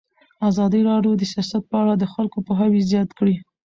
ازادي راډیو د سیاست په اړه د خلکو پوهاوی زیات کړی.